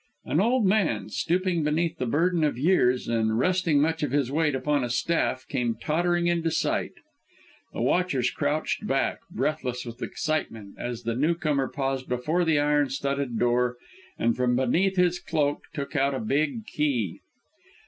An old man stooping beneath the burden of years and resting much of his weight upon a staff, came tottering into sight. The watchers crouched back, breathless with excitement, as the newcomer paused before the iron studded door, and from beneath his cloak took out a big key.